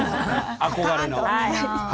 憧れの。